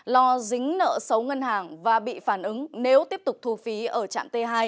lo dính nợ xấu ngân hàng và bị phản ứng nếu tiếp tục thu phí ở trạm t hai